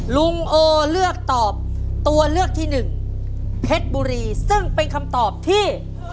ลุงโอเลือกตอบตัวเลือกที่หนึ่งเพชรบุรีซึ่งเป็นคำตอบที่